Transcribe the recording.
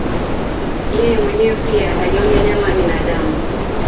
Yeye mwenyewe pia alionja nyama ya binadamu